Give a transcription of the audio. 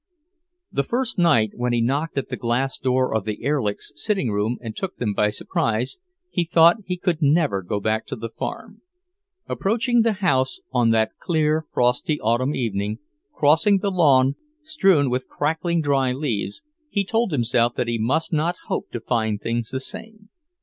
The first night, when he knocked at the glass door of the Erlichs' sitting room and took them by surprise, he thought he could never go back to the farm. Approaching the house on that clear, frosty autumn evening, crossing the lawn strewn with crackling dry leaves, he told himself that he must not hope to find things the same.